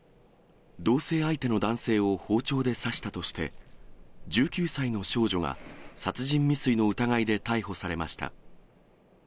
同せい相手の男性を包丁で刺したとして、１９歳の少女が殺人未遂の疑いで逮捕されました。